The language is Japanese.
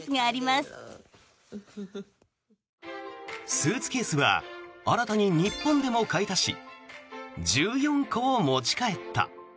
スーツケースは新たに日本でも買い足し１４個を持ち帰った。